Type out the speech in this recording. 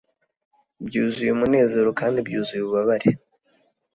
byuzuye umunezero kandi byuzuye ububabare!